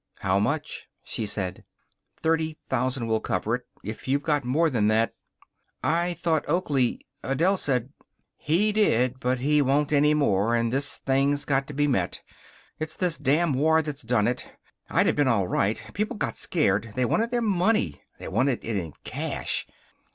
"How much?" she said. "Thirty thousand will cover it. If you've got more than that " "I thought Oakley Adele said " "He did, but he won't any more, and this thing's got to be met. It's this damned war that's done it. I'd have been all right. People got scared. They wanted their money. They wanted it in cash."